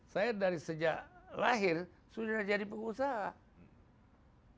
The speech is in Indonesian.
saya dari sejak lahir sudah jadi pengusaha